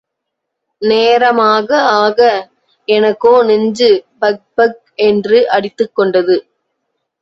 நேரமாக ஆக எனக்கோ நெஞ்சு பக்பக் என்று அடித்துக்கொண்டது.